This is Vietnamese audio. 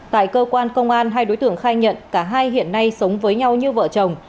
tại cơ quan công an hai đối tượng khai nhận cả hai hiện nay sống với nhau như vợ chồng